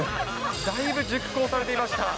だいぶ熟考されてました。